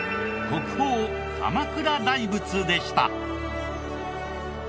国宝鎌倉大仏でした。